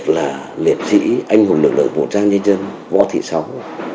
là liệt sĩ anh hùng lực lượng vũ trang nhân dân võ thị sáu